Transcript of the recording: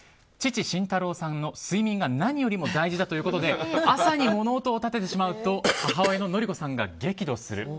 父・慎太郎さんの睡眠が何よりも大事だということで朝に物音を立ててしまうと母親の典子さんが激怒する。